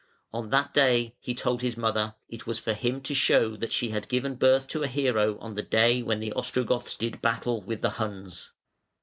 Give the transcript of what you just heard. On that day, he told his mother, it was for him to show that she had given birth to a hero on the day when the Ostrogoths did battle with the Huns.